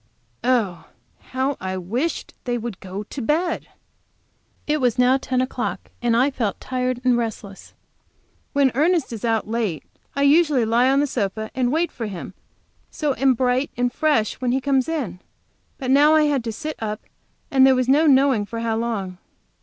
Oh, how I wished they would go to bed! It was now ten o'clock, and I felt tired and restless. When Ernest is out late I usually lie on the sofa and wait for him, and so am bright and fresh when he comes in. But now I had to sit up, and there was no knowing for how long.